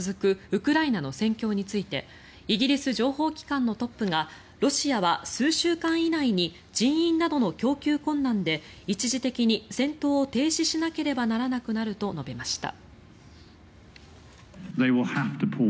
ウクライナの戦況についてイギリス情報機関のトップがロシアは数週間以内に人員などの供給困難で一時的に戦闘を停止しなければならなくなると述べました。